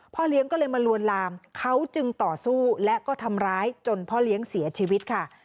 เลี้ยงก็เลยมาลวนลามเขาจึงต่อสู้และก็ทำร้ายจนพ่อเลี้ยงเสียชีวิตค่ะ